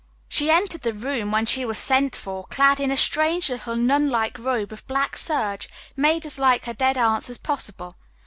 ] She entered the room, when she was sent for, clad in a strange little nun like robe of black serge, made as like her dead aunt's as possible.